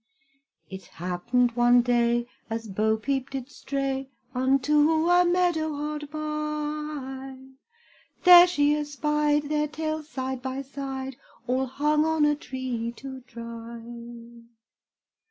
It happened one day, as Bo peep did stray, Unto a meadow hard by There she espied their tails side by side, All hung on a tree to dry.